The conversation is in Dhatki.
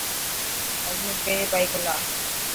هيلمٽ پيري بائڪ هلاءِ.